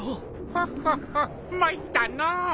ホッホッホッ参ったのう。